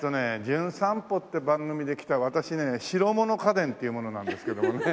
『じゅん散歩』って番組で来た私ね白物家電っていう者なんですけどもね。